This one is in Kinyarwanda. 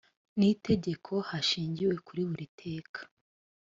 n itegeko hashingiwe kuri buri teka